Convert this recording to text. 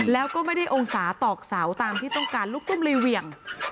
แล้วก็ไม่ได้องศาตอกเสาตามที่ต้องการลูกตุ้มเลยเหวี่ยง